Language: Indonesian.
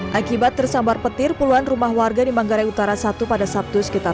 hai akibat tersambar petir puluhan rumah warga di manggarai utara satu pada sabtu sekitar